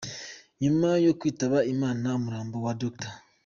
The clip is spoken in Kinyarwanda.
Nyuma yo kwitaba Imana, umurambo wa Dr.